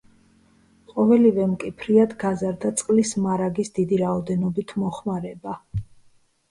ყოველივემ კი ფრიად გაზარდა წყლის მარაგის დიდი რაოდენობით მოხმარება.